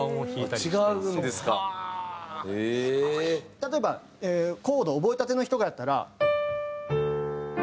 例えばコード覚えたての人がやったら。